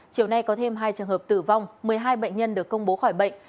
chiều nay có thêm hai trường hợp tử vong một mươi hai bệnh nhân được công bố khỏi bệnh